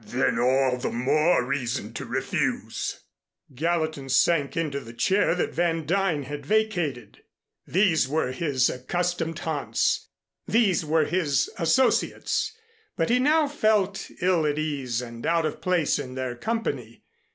"Then all the more reason to refuse." Gallatin sank into the chair that Van Duyn had vacated. These were his accustomed haunts, these were his associates, but he now felt ill at ease and out of place in their company.